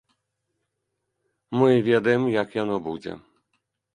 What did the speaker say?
Мы ведам, як яно будзе.